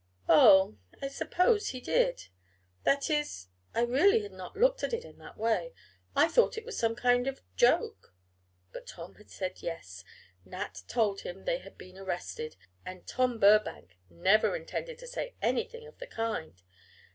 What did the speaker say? "Oh, I suppose he did. That is I really had not looked at it that way. I thought it was some kind of joke." But Tom had said, "Yes," Nat told him they had been arrested! And Tom Burbank never intended to say anything of the kind!